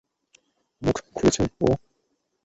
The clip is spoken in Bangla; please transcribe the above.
মুখ খুলেছে ও?